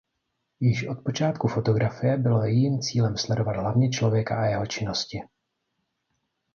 Již od počátku fotografie bylo jejím cílem sledovat hlavně člověka a jeho činnosti.